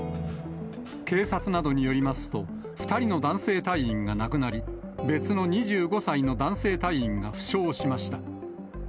警察などによりますと、２人の男性隊員が亡くなり、別の２５歳の男性隊員が負傷しました。